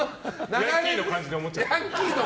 ヤンキーの感じで思っちゃった。